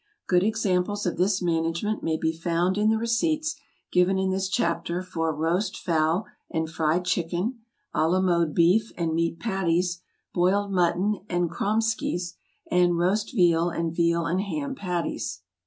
Good examples of this management may be found in the receipts given in this chapter for ROAST FOWL and FRIED CHICKEN, À LA MODE BEEF and MEAT PATTIES, BOILED MUTTON and KROMESKYS, and ROAST VEAL and VEAL AND HAM PATTIES.